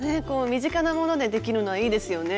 身近なものでできるのはいいですよね。